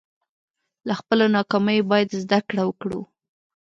له خپلو ناکامیو باید زده کړه وکړو.